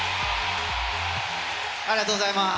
ありがとうございます。